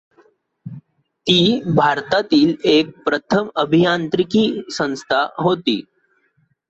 ती भारतातील एक प्रथम अभियांत्रीकी संस्था होती.